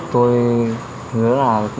tôi hứa là